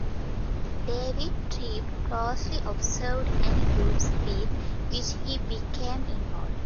David Tribe closely observed any groups with which he became involved.